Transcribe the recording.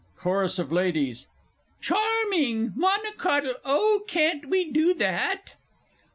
CHORUS OF LADIES. Charming! Monocottle Oh, can't we do that?